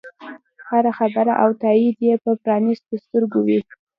هره خبره او تایید یې په پرانیستو سترګو وي.